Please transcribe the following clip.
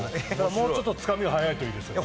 もうちょっとつかみが早いといいですね。